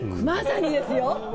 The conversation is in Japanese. まさにですよ